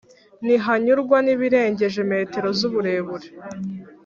Ntihanyurwa n'ibirengeje metero , z'uburebure